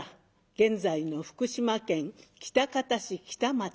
現在の福島県喜多方市北町。